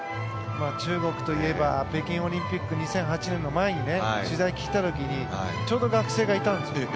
中国といえば北京オリンピック２００８年の前に取材に来た時にちょうど学生がいたんです。